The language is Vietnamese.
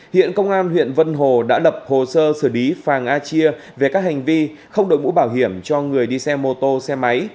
hiện công an huyện vân hồ đã lập hồ sơ xử lý phàng a chia về các hành vi không đổi mũ bảo hiểm cho người đi xe mô tô xe máy